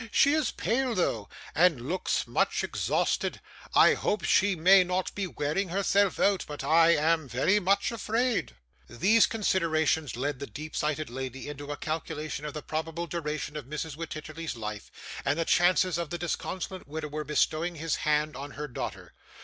'She is pale though, and looks much exhausted. I hope she may not be wearing herself out, but I am very much afraid.' These considerations led the deep sighted lady into a calculation of the probable duration of Mrs. Wititterly's life, and the chances of the disconsolate widower bestowing his hand on her daughter.